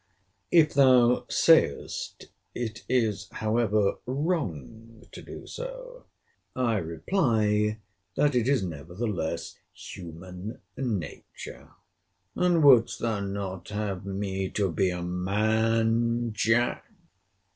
If thou sayest, it is, however, wrong to do so; I reply, that it is nevertheless human nature:—And wouldst thou not have me to be a man, Jack?